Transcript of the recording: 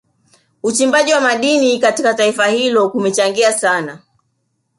Uchimbaji wa madini katika taifa hilo kumechangia sana